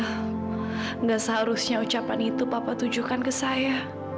tidak seharusnya ucapan itu papa tujukan ke saya